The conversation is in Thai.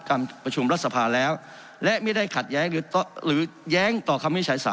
การประชุมรัฐสภาแล้วและไม่ได้ขัดแย้งหรือแย้งต่อคำวินิจฉัย๓